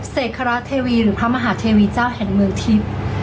เสกคาระเทวีหรือพระมหาเทวีเจ้าแห่งเมืองทิพย์